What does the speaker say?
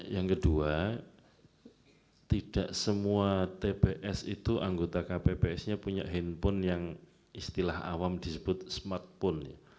yang kedua tidak semua tps itu anggota kpps nya punya handphone yang istilah awam disebut smartphone